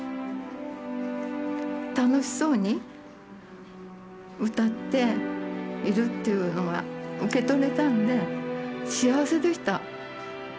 楽しそうに歌っているっていうのが受け取れたんで幸せでした。